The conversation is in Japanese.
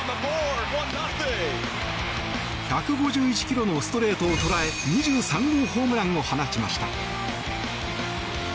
１５１キロのストレートを捉え２３号ホームランを放ちました。